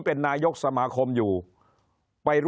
คนในวงการสื่อ๓๐องค์กร